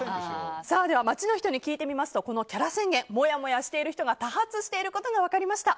街の人に聞いてみますとこのキャラ宣言もやもやしてる人が多発していることが分かりました。